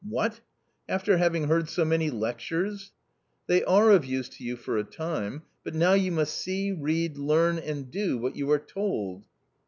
"What? after having heard so many lectures." " They are of use to you for a time, but now you must see, read, learn and do what you are told."